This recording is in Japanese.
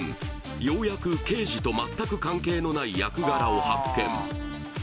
ようやく刑事と全く関係のない役柄を発見